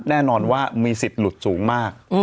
แน่นอนว่ามีสิทธิ์หลุดสูงมาก